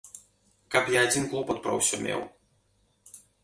Каб я адзін клопат пра ўсё меў?